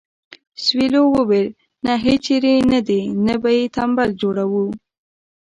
سویلو وویل نه هیچېرې نه دې نه به تمبل جوړوو.